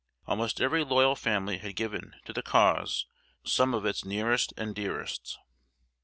Almost every loyal family had given to the Cause some of its nearest and dearest.